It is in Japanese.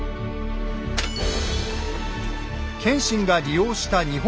謙信が利用した日本海。